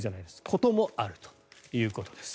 こともあるということです。